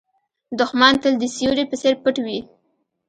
دښمن تل د سیوري په څېر پټ وي